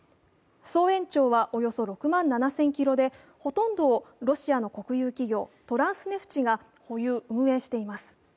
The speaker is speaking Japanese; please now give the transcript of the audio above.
総延長はおよそ６万７０００ｋｍで、ほとんどをロシアの国有企業、トランスネフチが保有・運営しています。